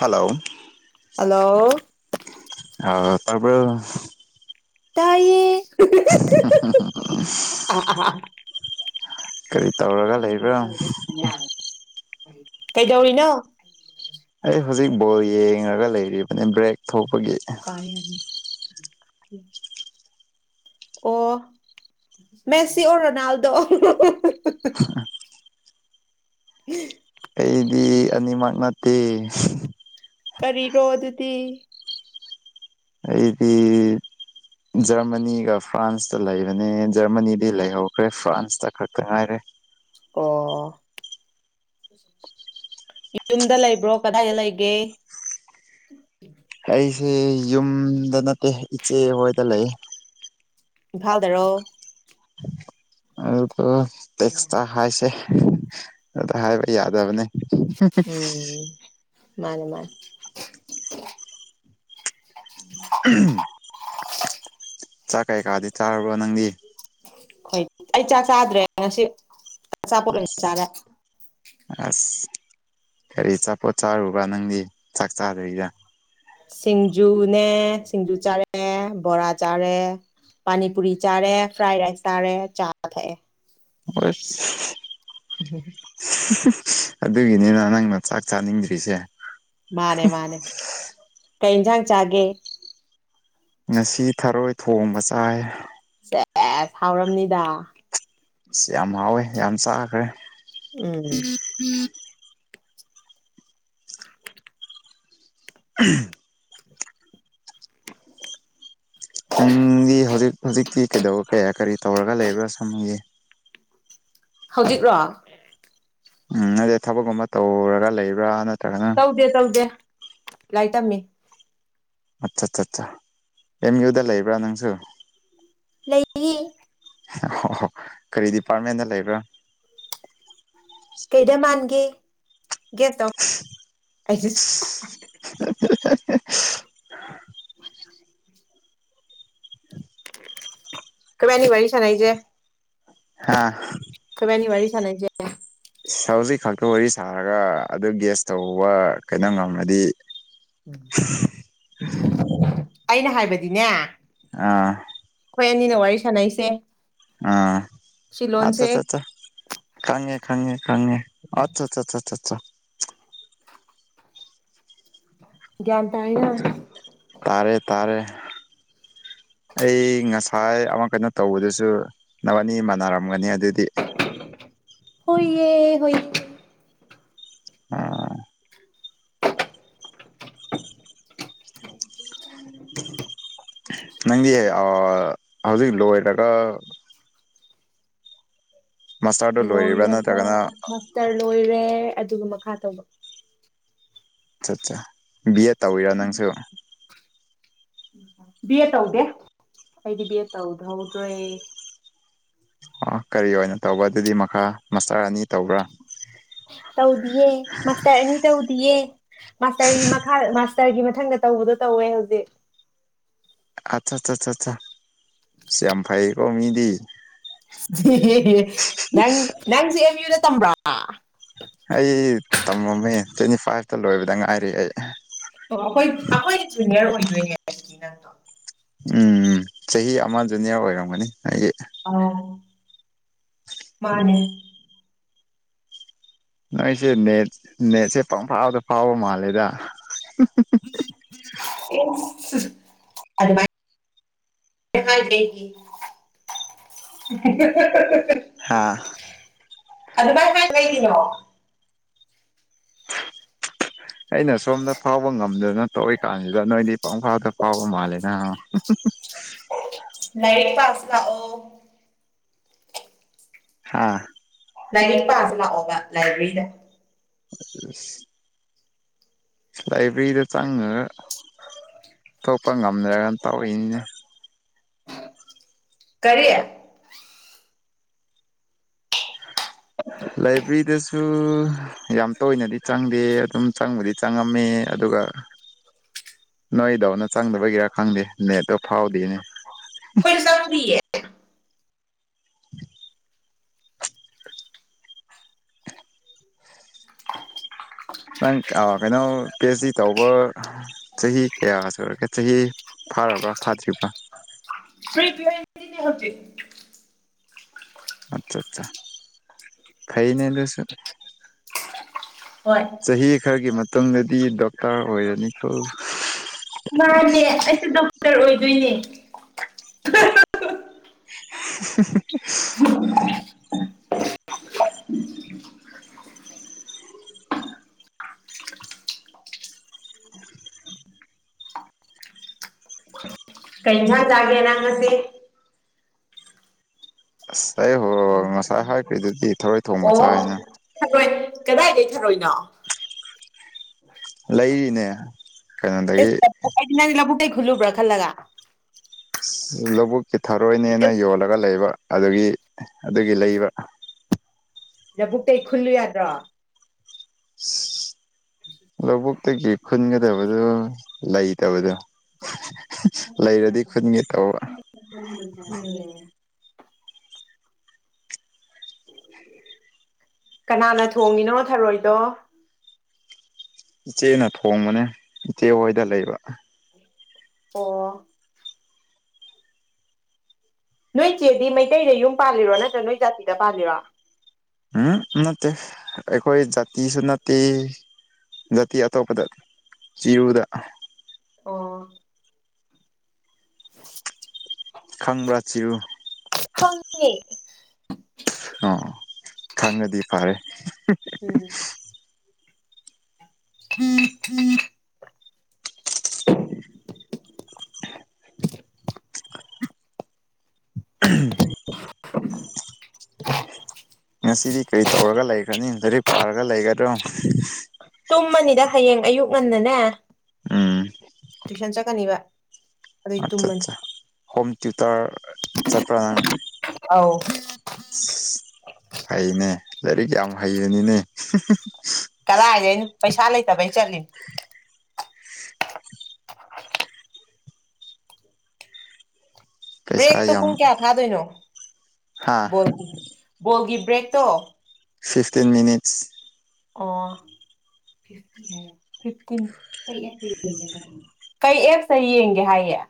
hello hello ꯇꯥꯄ꯭ꯔꯣ ꯇꯥꯏꯌꯦ [inaudible] ꯀꯔꯤ ꯇꯧꯔꯒ ꯂꯩꯕ꯭ꯔꯥ ꯀꯩꯗꯧꯔꯤꯅꯣ ꯑꯩ ꯍꯧꯖꯤꯛ ꯕꯣꯜ ꯌꯦꯡꯉꯒ ꯂꯩꯔꯤꯕꯅꯤ ꯕ꯭ꯔꯦꯛ ꯊꯣꯛꯄꯒꯤ [inaudible] ꯑꯣ ꯃꯦꯁꯤ ꯑꯣ ꯔꯣꯅꯥꯜꯗꯣ ꯎꯝ ꯑꯩꯗꯤ ꯑꯅꯤꯃꯛ ꯅꯠꯇꯦ ꯀꯔꯤꯔꯣ ꯑꯗꯨꯗꯤ ꯑꯩꯗꯤ ꯖꯔꯃꯅꯤꯒ ꯐ꯭ꯔꯥꯟꯁꯇ ꯂꯩꯕꯅꯦ ꯖꯔꯃꯅꯤꯗꯤ ꯂꯩꯍꯧꯈ꯭ꯔꯦ ꯐ꯭ꯔꯥꯟꯁꯇ ꯈꯛꯇ ꯉꯥꯏꯔꯦ ꯑꯣ ꯌꯨꯝꯗ ꯂꯩꯕ꯭ꯔꯣ ꯀꯗꯥꯏꯗ ꯂꯩꯒꯦ ꯑꯩꯁꯦ ꯌꯨꯝꯗ ꯅꯠꯇꯦ ꯏꯆꯦ ꯍꯗ ꯂꯩ ꯚꯜꯗꯔꯣ ꯑꯗꯨꯀꯣ ꯇꯦꯛꯁꯇ ꯈꯥꯏꯁꯦ ꯑꯗ ꯍꯥꯏꯕ ꯌꯥꯗꯕꯅꯤ ꯎꯝ ꯃꯥꯅꯦ ꯃꯥꯅꯦ ꯆꯥꯛ ꯀꯩꯀꯥꯗꯤ ꯆꯥꯔꯕ꯭ꯔꯣ ꯅꯪꯗꯤ ꯍꯣꯏ ꯑꯩ ꯆꯥꯛ ꯆꯥꯗ꯭ꯔꯦ ꯉꯁꯤ ꯑꯆꯥꯄꯣꯠ ꯑꯣꯏꯅ ꯆꯥꯔꯦ ꯑꯁ ꯀꯔꯤ ꯑꯆꯥꯄꯣꯠ ꯆꯥꯔꯨꯕ꯭ꯔꯥ ꯅꯪꯗꯤ ꯆꯥꯛ ꯆꯥꯗꯔꯤꯗ ꯁꯤꯡꯖꯨꯅꯦ ꯁꯤꯡꯖꯨ ꯆꯥꯔꯦ ꯕꯣꯔꯥ ꯆꯥꯔꯦ ꯄꯥꯅꯤꯄꯨꯔꯤ ꯆꯥꯔꯦ ꯐ꯭ꯔꯥꯏ ꯔꯥꯏꯁ ꯆꯥꯔꯦ ꯆꯥ ꯊꯛꯑꯦ ꯑ ꯎ ꯑꯗꯨꯒꯤꯅꯤꯅ ꯅꯪꯅ ꯆꯥꯛ ꯆꯥꯅꯤꯡꯗ꯭ꯔꯤꯁꯦ ꯃꯥꯅꯦ ꯃꯥꯅꯦ ꯀ ꯏꯟꯖꯥꯡ ꯆꯥꯒꯦ ꯉꯁꯤ ꯊꯔꯣꯏ ꯊꯣꯡꯕ ꯆꯥꯏ ꯑꯦ ꯍꯥꯎꯔꯝꯅꯤꯗ ꯑꯁ ꯌꯥꯝ ꯍꯥꯎꯋꯦ ꯌꯥꯝ ꯆꯥꯈ꯭ꯔꯦ ꯑꯣꯝ [inaudible] [inaudible] ꯅꯪꯒꯤ ꯍꯧꯖꯤꯛ ꯍꯧꯖꯤꯛꯇꯤ ꯀꯩꯗꯧꯕ ꯀꯌꯥ ꯀꯔꯤ ꯇꯧꯔꯒ ꯂꯩꯕ꯭ꯔꯥ ꯁꯝꯒꯤ ꯍꯧꯖꯤꯛꯔꯣ ꯎꯝ ꯅꯠꯇꯦ ꯊꯕꯛꯀꯨꯝꯕ ꯇꯧꯔꯒ ꯂꯩꯕ꯭ꯔꯥ ꯅꯠꯇ ꯂꯥꯏ ꯇꯝꯃꯦ ꯑꯠꯆꯥ ꯑꯠ ꯑꯠ ꯑꯦꯝ ꯌꯨꯗ ꯂꯩꯕ꯭ꯔꯥ ꯅꯪꯁꯨ ꯂꯩ ꯑ ꯀꯔꯤ ꯗꯤꯄꯥꯔꯠꯃꯦꯟꯗ ꯂꯩꯕ꯭ꯔꯥ ꯀꯩꯗ ꯃꯥꯟꯒꯦ ꯒꯦꯐ ꯇꯧ ꯑꯩꯁꯤ [inaudible] ꯎ ꯀꯥꯏꯅꯤ ꯋꯥꯔꯤꯔꯤꯁ ꯅꯏꯁꯦ ꯍꯥꯥ ꯅꯤ ꯋꯥꯔꯤ ꯁꯅꯖꯦ ꯁꯖꯤꯛ ꯈꯛꯇ ꯋꯥꯔꯤ ꯁꯥꯔꯒ ꯑꯗꯨ ꯒ꯭ꯁ ꯇꯧꯕ ꯀꯩꯅꯣ ꯉꯝꯃꯗꯤ ꯎꯝ ꯎ ꯑꯩꯅ ꯍꯥꯏꯕꯗꯤꯅꯦ ꯑ ꯍꯣꯏ ꯑꯅꯤꯅ ꯋꯥꯔꯤ ꯁꯥꯟꯅꯩꯁꯦ ꯑꯥ ꯁꯤ ꯑꯇ ꯂꯣꯟꯁꯦ ꯇ ꯑꯠꯇ ꯈꯪꯉꯦ ꯈꯪꯉꯦ ꯈꯪꯉꯦ ꯑꯆꯥ ꯇꯅ ꯇꯔꯦ ꯇꯔꯦ ꯑꯩ ꯉꯁꯥꯏ ꯑꯃ ꯀꯩꯅꯣ ꯇꯧꯕꯗꯨꯁꯨ ꯅꯋꯥꯅꯤ ꯃꯥꯟꯅꯔꯝꯒꯅꯤ ꯑꯗꯨꯗꯤ ꯍꯣꯏꯌꯦ ꯍꯣꯏ ꯑꯥ ꯆ ꯅꯪꯗꯤ ꯍꯧꯖꯤꯛ ꯂꯣꯏꯔꯒ ꯃꯥꯁꯇꯔꯗꯣ ꯂꯣꯏꯔꯤꯕ꯭ꯔꯥ ꯂꯣꯏꯔꯒ ꯅꯠꯇ꯭ꯔꯒꯅ ꯃꯁꯇꯔ ꯂꯣꯏꯔꯦ ꯑꯗꯨꯒ ꯃꯈꯥ ꯇꯧꯕ ꯑꯠ ꯑꯠ ꯕꯤ ꯑꯦꯠ ꯇꯧꯋꯤꯔ ꯅꯪꯁꯨ ꯕꯤ ꯑꯦꯠ ꯇꯧꯗꯦ ꯑꯩꯗꯤ ꯕꯤ ꯑꯦꯠ ꯇꯧꯗꯍꯧꯗ꯭ꯔꯦ ꯑꯣ ꯀꯔꯤ ꯑꯣꯏꯅ ꯇꯧꯕ ꯑꯗꯨꯗꯤ ꯃꯈꯥ ꯃꯁꯇꯔ ꯑꯅꯤ ꯇꯧꯕ꯭ꯔꯥ ꯇꯧꯗꯤꯌꯦ ꯃꯥꯁꯇꯔ ꯑꯅꯤ ꯇꯧꯗꯤꯌꯦ ꯃꯥꯁꯇꯔ ꯃꯈꯥ ꯇꯔꯒꯤ ꯃꯊꯪꯒ ꯇꯧꯕꯗꯣ ꯇꯧꯋꯦ ꯍꯧꯖꯤꯛ ꯑ ꯁꯤꯝꯐꯩꯀꯣ ꯃꯤꯗꯤ ꯅ ꯅꯁꯤꯨꯅꯦ ꯇꯝꯕ꯭ꯔꯥ ꯑꯩ ꯇꯝꯃꯝꯃꯦ ꯇ꯭ꯋꯦꯟꯇꯤ ꯐꯥꯏꯚꯇ ꯂꯣꯏꯕꯗ ꯉꯥꯏꯔ ꯑꯩ ꯑꯣ ꯑꯩꯈꯣꯏ ꯑꯩꯈꯣꯏ ꯖꯨꯅꯤꯌꯔ ꯑꯣꯏꯗꯣꯏꯅꯦ ꯍꯥꯏꯕꯗꯤ ꯅꯪꯗꯣ ꯎꯝ ꯆꯍꯤ ꯑꯃ ꯖꯨꯅꯤꯌꯔ ꯑꯣꯏꯔꯝꯒꯅꯤ ꯑꯩꯒꯤ ꯑ ꯃꯥꯅꯦ ꯅꯣꯏꯁꯦ ꯅꯦꯠ ꯅꯦꯠꯁꯦ ꯄꯪꯐꯥꯎꯗ ꯐꯥꯎꯕ ꯃꯥꯜꯂꯦꯗ ꯎꯝ [unintelligible] [unintelligible] ꯍꯥ ꯑꯗ ꯃꯥꯥꯏ ꯀꯩ ꯀꯅꯣ ꯑꯩꯅ ꯁꯣꯝꯗ ꯐꯥꯎꯕ ꯉꯝꯗꯅ ꯇꯧꯔꯤ ꯀꯥꯟꯁꯤꯗ ꯅꯣꯏꯗꯤ ꯄꯪꯐꯥꯎꯗ ꯐꯥꯎꯕ ꯃꯥꯜꯂꯦꯅ ꯅꯏꯠ ꯄꯥꯁ ꯂ ꯑꯣ ꯍꯥꯥ ꯂꯥꯏꯅꯤꯡꯛ ꯄꯁꯤ ꯂꯥꯛꯑꯣꯕ ꯂꯥꯏꯕ꯭ꯔꯦꯔꯤꯗ ꯑ ꯂꯥꯏꯕ꯭ꯔꯦꯔꯤꯗ ꯆꯪꯉꯒ ꯊꯣꯛꯄ ꯉꯝꯗ꯭ꯔꯒꯅ ꯇꯧꯔꯛꯅꯤꯅꯦ ꯀꯔꯤꯦ ꯂꯥꯏꯕ꯭ꯔꯦꯔꯤꯗꯁꯨ ꯌꯥꯝ ꯇꯣꯏꯅꯗꯤ ꯆꯪꯗꯦ ꯑꯗꯨꯝ ꯆꯪꯕꯗꯤ ꯆꯪꯉꯝꯃꯦ ꯑꯗꯨꯒ ꯅꯣꯏꯗꯧꯅ ꯆꯪꯗꯕꯒꯤꯔꯥ ꯈꯪꯗꯦ ꯅꯦꯠꯇꯣ ꯐꯥꯎꯗꯣꯏꯅꯦ ꯑꯩꯈꯣꯏꯅ ꯆꯪꯕꯤꯌꯦ [unintelligible] ꯅꯪ ꯀꯩꯅꯣ ꯄꯤ ꯑꯩꯆ ꯗꯤ ꯇꯧꯕ ꯆꯍꯤ ꯀꯌꯥꯒ ꯁꯨꯔꯒꯦ ꯆꯍꯤ ꯐꯥꯔꯕ꯭ꯔꯥ ꯐꯥꯗ꯭ꯔꯤꯕ꯭ꯔ ꯐ꯭ꯔꯤ ꯄꯤꯔꯗꯤꯅꯦ ꯍꯧꯖꯤꯛ ꯑꯠꯆꯥ ꯑꯠꯆꯥ ꯐꯩꯅꯦꯗꯁꯨ ꯍꯣꯏ ꯈꯔꯒꯤ ꯃꯇꯨꯡꯗꯗꯤ ꯗꯣꯛꯇꯔ ꯑꯣꯏꯔꯅꯤꯀꯣ ꯑꯗꯨꯏꯅꯦ [unintelligible] ꯀꯩ ꯏꯟꯁꯥꯡ ꯆꯥꯒꯦ ꯅꯪ ꯉꯥꯁꯤ ꯑꯁ ꯑꯩꯕꯨ ꯉꯁꯥꯏ ꯍꯥꯏꯈ꯭ꯔꯤꯗꯨꯗꯤ ꯊꯔꯣꯏ ꯊꯣꯡꯕ ꯑꯣ ꯆꯥꯏꯅ ꯊꯥꯔꯣꯏ ꯀꯗꯥꯏꯗꯩ ꯊꯥꯔꯣꯏꯅꯣ ꯂꯩꯔꯤꯅꯦ ꯀꯩꯅꯣꯗꯒꯤ ꯑꯇꯩ ꯈꯨꯜꯂꯨꯕ꯭ꯔꯥ ꯈꯜꯂꯒ ꯂꯧꯕꯨꯛꯀꯤ ꯊꯔꯣꯏꯅꯦꯅ ꯌꯣꯜꯂꯒ ꯂꯩꯕ ꯑꯗꯨꯒꯤ ꯑꯗꯨꯒꯤ ꯂꯩꯕ ꯂꯥꯕꯨꯛꯇꯩ ꯈꯨꯜꯂꯨ ꯌꯥꯗ꯭ꯔꯣ ꯑꯁ ꯂꯧꯕꯨꯛꯇꯒꯤ ꯈꯨꯟꯒꯗꯕꯗꯣ ꯂꯩꯇꯕꯗꯣ ꯂꯩꯔꯗꯤ ꯈꯨꯟꯒꯦ ꯇꯧꯕ [unintelligible] ꯀꯅꯥꯅ ꯊꯣꯡꯉꯤꯅꯣ ꯊꯥꯔꯣꯏꯗꯣ ꯏꯆꯦꯅ ꯊꯣꯡꯕꯅꯦ ꯏꯆꯦ ꯍꯣꯏꯗ ꯂꯩꯕ ꯑꯣ ꯅꯣꯏ ꯆꯦꯗꯤ ꯃꯩꯇꯩꯗ ꯌꯨꯝ ꯄꯥꯜꯂꯤꯔꯣ ꯅꯠꯇ꯭ꯔꯥꯒ ꯅꯣꯏ ꯖꯥꯇꯤꯗ ꯄꯥꯜꯂꯤꯔꯣ ꯎꯝ ꯅꯠꯇꯦ ꯑꯩꯈꯣꯏ ꯖꯥꯠꯇꯤꯁꯨ ꯅꯠꯇꯦ ꯅꯠꯇꯦ ꯑꯇꯣꯞꯄꯗ ꯆꯤꯔꯨꯗ ꯑꯣ ꯎꯝ [unintelligible] ꯈꯪꯕ꯭ꯔꯥ ꯆꯤꯔꯨ ꯈꯪꯉꯦ ꯑꯣ ꯈꯪꯉꯥꯗꯤ ꯐꯥꯔꯦ ꯎꯝ ꯍꯝ ꯍꯝ [unintelligible] [unintelligible] [inaudible] [unintelligible] [unintelligible] ꯉꯁꯤꯗꯤ ꯀꯔꯤ ꯇꯧꯔꯒ ꯂꯩꯈ꯭ꯔꯅꯤ ꯂꯥꯏꯔꯤꯛ ꯄꯥꯔꯒ ꯂꯩꯒꯗ꯭ꯔꯣ ꯇꯨꯝꯃꯅꯤꯗ ꯍꯌꯦꯡ ꯑꯌꯨꯛ ꯉꯟꯅꯅꯦ ꯎꯝ ꯇꯨꯏꯁꯟ ꯆꯠꯀꯅꯤꯕ ꯑꯗꯨꯏ ꯑꯠꯆꯥ ꯇꯨꯝꯃꯅꯤ ꯆꯥ ꯍꯣꯝ ꯇ꯭ꯌꯨꯇꯔ ꯆꯠꯄ꯭ꯔꯥ ꯅꯪ ꯑꯥꯎ ꯐꯩꯅꯦ ꯂꯥꯏꯔꯤꯛ ꯌꯥꯝ ꯍꯩꯕꯅꯤꯅꯦ ꯀꯗꯥꯏꯗꯩꯅꯣ ꯄꯩꯁꯥ ꯂꯩꯇꯕꯩ ꯆꯠꯂꯤꯅꯦ ꯄꯩꯁꯥ ꯕ꯭ꯔꯦꯛꯇꯣ ꯌꯥꯝ ꯄꯨꯡ ꯀꯌꯥ ꯊꯥꯗꯣꯏꯅꯣ ꯍꯥ ꯕꯣꯜꯒꯤ ꯕꯣꯜꯒꯤ ꯕ꯭ꯔꯦꯛꯇꯣ ꯐꯤꯐꯇꯤꯟ ꯃꯤꯅꯤꯠꯁ ꯑꯣ ꯐꯤꯐꯇꯤꯟ ꯀꯩ ꯑꯦꯞꯁꯇꯩ ꯌꯦꯡꯒꯦ ꯍꯥꯏꯌꯦ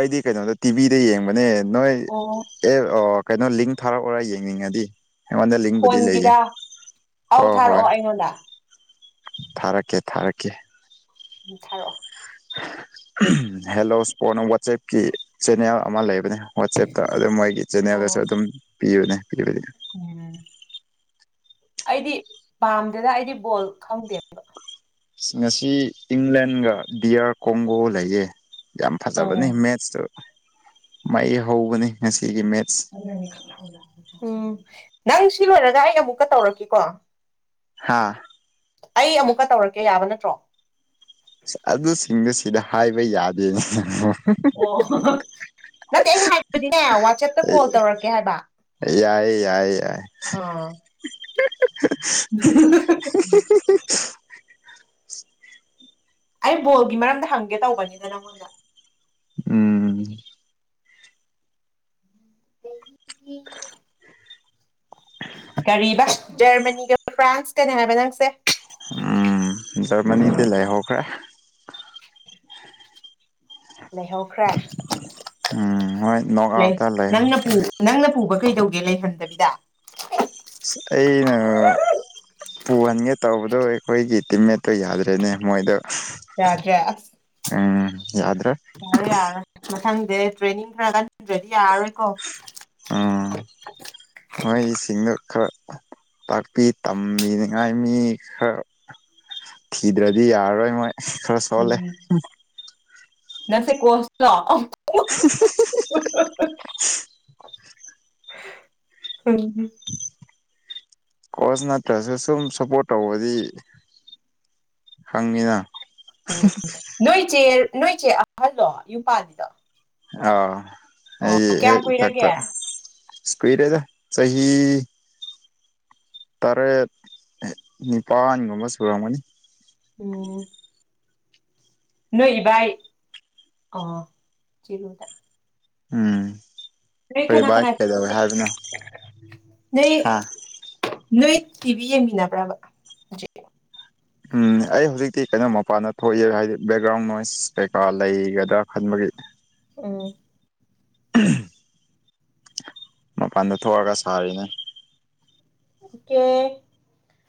ꯑꯩꯗꯤ ꯀꯩꯅꯣꯗ ꯇꯤꯚꯤꯗ ꯌꯦꯡꯕꯅꯦ ꯅꯣꯏ ꯑꯣ ꯑꯦꯞ ꯑꯣ ꯀꯩꯅꯣ ꯂꯤꯡ ꯊꯥꯔꯛꯎꯔꯥ ꯌꯦꯡꯅꯤꯡꯉꯗꯤ ꯑꯩꯉꯣꯟꯗ ꯂꯤꯡꯕꯨꯗꯤ ꯂꯩꯌꯦ ꯐꯣꯟꯒꯤꯗ ꯑꯧ ꯍꯣꯏ ꯍꯣꯏ ꯊꯥꯔꯛꯑꯣ ꯑꯩꯉꯣꯟꯗ ꯊꯥꯔꯛꯀꯦ ꯊꯥꯔꯛꯀꯦ ꯎꯝ ꯊꯥꯔꯛꯑꯣ ꯍꯦꯜꯂꯣ ꯁꯄ꯭ꯔꯣꯠꯁꯅ ꯋꯥꯆꯦꯞꯀꯤ ꯆꯦꯅꯦꯜ ꯑꯃ ꯂꯩꯕꯅꯦ ꯋꯥꯆꯦꯞꯇ ꯑꯗꯨ ꯃꯣꯏꯒꯤ ꯆꯦꯅꯦꯜꯗꯁꯨ ꯑꯣ ꯑꯗꯨꯝ ꯄꯤꯕꯅꯦ ꯄꯤꯕꯗꯤ ꯎꯝ ꯑꯩꯗꯤ ꯄꯥꯝꯗꯦꯗ ꯑꯩꯗꯤ ꯕꯣꯜ ꯈꯪꯗꯦ ꯑꯃꯇ ꯑꯁ ꯉꯁꯤ ꯏꯪꯂꯦꯟꯒ ꯗꯤꯌꯥꯔ ꯀꯣꯡꯒꯣ ꯂꯩꯌꯦ ꯌꯥꯝ ꯐꯖꯕꯅꯦ ꯑꯥ ꯃꯦꯠꯁꯇꯨ ꯃꯩ ꯍꯧꯕꯅꯦ ꯉꯁꯤ ꯎꯝ ꯅꯪ ꯁꯤ ꯂꯣꯏꯔꯒ ꯑꯩ ꯑꯃꯨꯛꯀ ꯇꯧꯔꯛꯀꯦꯀꯣ ꯍꯥꯥ ꯑꯩ ꯑꯃꯨꯛꯀ ꯇꯧꯔꯛꯀꯦ ꯌꯥꯕ ꯅꯠꯇ꯭ꯔꯣ ꯑꯗꯨꯁꯤꯡꯗꯨ ꯁꯤꯗ ꯍꯥꯏꯕ ꯌꯥꯗꯦꯅꯤꯅ ꯑꯣ ꯅꯠꯇꯦ ꯑꯩꯅ ꯍꯥꯏꯕꯗꯤꯅꯦ ꯋꯥꯆꯦꯞꯇ ꯀꯣꯜ ꯇꯧꯔꯛꯀꯦ ꯍꯥꯏꯕ ꯌꯥꯥꯏ ꯑꯥ [unintelligible] ꯑꯩ ꯕꯣꯜꯒꯤ ꯃꯔꯝꯗ ꯍꯪꯒꯦ ꯇꯧꯕꯅꯤꯅ ꯅꯪꯉꯣꯟꯗ ꯎꯝ [unintelligible] ꯀꯔꯤ ꯖꯔꯃꯅꯤꯒ ꯐ꯭ꯔꯥꯟꯁꯀꯅꯦ ꯍꯥꯏꯕ ꯅꯪꯁꯦ ꯎꯝ ꯖꯔꯃꯗ ꯂꯩ ꯍꯧꯈꯔ ꯂꯩꯍꯧꯈ꯭ꯔꯦ ꯎꯝ ꯍꯣꯏ ꯅꯣꯛ ꯂꯩ ꯑꯥꯎꯠꯇ ꯅꯅ ꯂꯩꯍꯧꯈ꯭ꯔꯦ ꯅꯪꯅ ꯄꯨꯕ ꯀꯩꯗꯧꯒꯦ ꯂꯩꯍꯟꯗꯕꯤꯗ ꯑꯩꯩꯅ ꯄꯨꯍꯟꯒꯦ ꯇꯧꯕꯗꯣ ꯑꯩꯈꯣꯏꯒꯤ ꯇꯤꯝꯃꯦꯠꯇꯣ ꯌꯥꯗ꯭ꯔꯦꯅꯦ ꯃꯣꯏꯗ ꯌꯥꯖꯦ ꯌꯥꯗ꯭ꯔ ꯊꯪꯗꯦ ꯇ꯭ꯔꯦꯅꯤꯡꯒ ꯑꯗꯨꯗꯤ ꯑꯣꯏꯀꯣ ꯎꯝ ꯃꯣꯏꯁꯤꯡꯗꯣ ꯈꯔ ꯇꯥꯛꯄꯤ ꯇꯝꯕꯤꯅꯤꯉꯥꯏ ꯃꯤ ꯈꯔ ꯊꯤꯗ꯭ꯔꯗꯤ ꯌꯥꯔꯔꯣꯏ ꯃꯣꯏ ꯈꯔ ꯁꯣꯜꯂꯦ ꯅꯁꯦ ꯀꯣꯁꯂ [unintelligible] ꯍꯝ ꯀꯣꯆ ꯅꯠꯇ꯭ꯔꯁꯨ ꯁꯨꯝ ꯁꯞꯄꯣꯔꯠ ꯇꯧꯕꯗꯤ ꯍꯪꯉꯤꯅ ꯎꯝ ꯅꯣꯏ ꯆꯦ ꯅꯣꯏ ꯆꯦ ꯑꯍꯜꯂꯣ ꯌꯨꯝꯄꯥꯅꯤꯗ ꯑꯥꯎ ꯑꯩ ꯍ ꯀꯨꯏꯔꯒꯦ ꯇꯀ ꯏꯁꯄꯤꯤꯔꯦꯗ ꯆꯍꯤꯍꯤ ꯇꯔꯦꯠ ꯅꯤꯄꯥꯜꯒꯨꯝꯕ ꯁꯨꯔꯝꯒꯅꯤ ꯑꯣꯝ ꯅꯣꯏ ꯥꯏ ꯑ ꯆꯣꯗ ꯎꯝ ꯐꯣꯏꯕꯥ ꯀꯅꯥ ꯀꯗꯕ ꯍꯥꯏꯗꯅ ꯅꯣꯏ ꯍꯥꯥ ꯅꯣꯏ ꯇꯤꯚꯤ ꯌꯦꯡꯃꯤꯟꯅꯕ꯭ꯔꯕ ꯍꯧꯖꯤꯛ ꯎꯝ ꯑꯩ ꯍꯧꯖꯤꯛꯇꯤ ꯀꯩꯅꯣ ꯃꯄꯥꯟꯗ ꯊꯣꯛꯏꯑ ꯍꯥꯏꯗꯤ ꯕꯦꯛꯒ꯭ꯔꯥꯎꯟ ꯅꯣꯏꯁ ꯀꯩꯀꯥ ꯂꯩꯒꯗ꯭ꯔꯥ ꯈꯟꯕꯒꯤ ꯍ ꯎ ꯃꯄꯜꯗ ꯊꯣꯛꯑꯒ ꯁꯥꯔꯤꯅꯤ ꯑꯣꯀꯦ